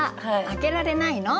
開けられないの！」。